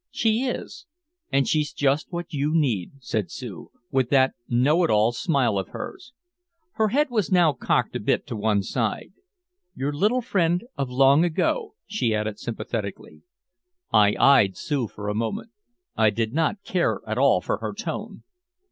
"She is and she's just what you need," said Sue, with that know it all smile of hers. Her head was now cocked a bit to one side. "Your little friend of long ago," she added sympathetically. I eyed Sue for a moment. I did not care at all for her tone.